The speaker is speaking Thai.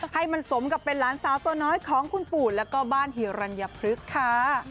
ให้มันสมกับเป็นหลานสาวตัวน้อยของคุณปู่แล้วก็บ้านฮิรัญพฤกษ์ค่ะ